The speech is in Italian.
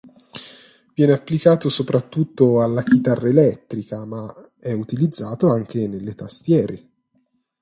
Viene applicato soprattutto alla chitarra elettrica ma è utilizzato anche nelle tastiere.